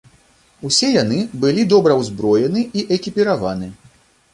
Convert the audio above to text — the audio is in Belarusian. Усе яны былі добра ўзброены і экіпіраваны.